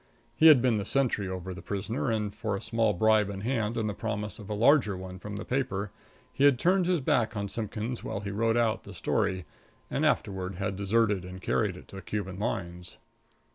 He had been the sentry over the prisoner, and for a small bribe in hand and the promise of a larger one from the paper, he had turned his back on Simpkins while he wrote out the story, and afterward had deserted and carried it to the Cuban lines.